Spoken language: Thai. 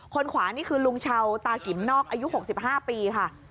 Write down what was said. ขวานี่คือลุงชาวตากิมนอกอายุ๖๕ปีค่ะ